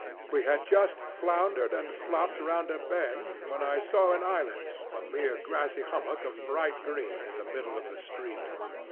We had just floundered and flopped round a bend, when I saw an islet, a mere grassy hummock of bright green, in the middle of the stream.